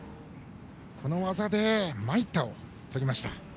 この技で、参ったをとりました。